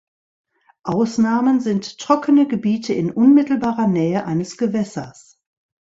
Ausnahmen sind trockene Gebiete in unmittelbarer Nähe eines Gewässers.